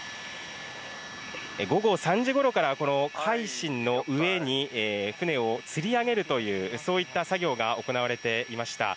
午後３時ごろから、この海進の上に船をつり上げるという、そういった作業が行われていました。